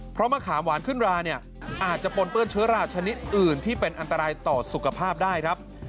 เพราะมะขามหวานขึ้นราเนี่ยอาจจะปนเปื้อนเชื้อราชนิดอื่นที่เป็นอันตรายต่อสุขภาพได้ครับ